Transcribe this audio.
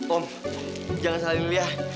om jangan salahin liliah